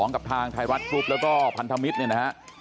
กับทางไทยรัฐกรุ๊ปแล้วก็พันธมิตรเนี่ยนะฮะ